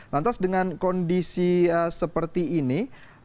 lantas dengan kondisi seperti ini